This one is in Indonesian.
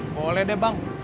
boleh deh bang